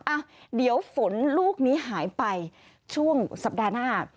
อ่ะเดี๋ยวฝนลูกนี้หายไปช่วงสัปดาห์หน้า